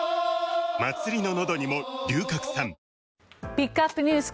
ピックアップＮＥＷＳ